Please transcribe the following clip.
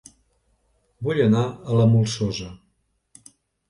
Vull anar a La Molsosa